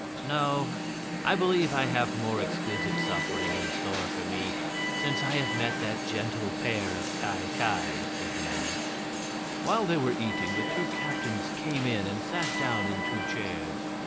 "No; I believe I have more exquisite suffering in store for me, since I have met that gentle pair of Ki Ki," said Nerle. While they were eating the two captains came in and sat down in two chairs.